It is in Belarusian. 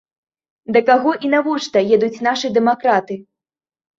Да каго і навошта едуць нашы дэмакраты?